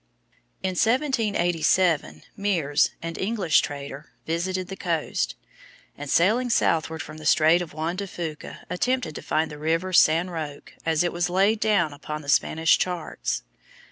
In 1787 Meares, an English trader, visited the coast, and sailing southward from the Strait of Juan de Fuca, attempted to find the river San Roque as it was laid down upon the Spanish charts.